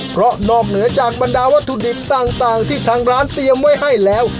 เพราะนอกเหนือจากบรรดาวัตถุดิบต่างที่ทางร้านเตรียมไว้ให้แล้ว